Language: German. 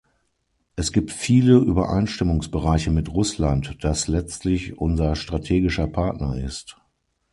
Es gibt viele Übereinstimmungsbereiche mit Russland, das letztlich unser strategischer Partner ist.